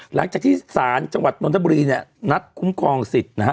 หลังจากที่ศาลจังหวัดนทบุรีเนี่ยนัดคุ้มครองสิทธิ์นะฮะ